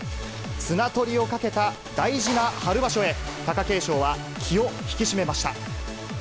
綱取りをかけた大事な春場所へ、貴景勝は気を引き締めました。